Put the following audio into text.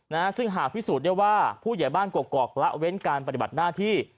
ซึ่งหรือหาพิสูจน์ได้ว่าผู้ใหญ่บ้านกวกละเว้นการปฏิบัติหน้าที่